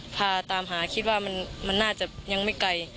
พาตามหาคิดว่ามันน่าจะยังไม่ไกล